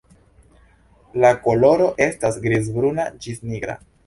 La koloro estas grizbruna ĝis nigra.